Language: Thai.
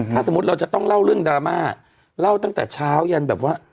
ถ้าสมมุติเราจะต้องเล่าเรื่องดราม่าเล่าตั้งแต่เช้ายันแบบว่า